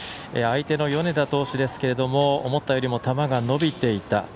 相手の米田投手ですけれども思ったよりも球が伸びていた。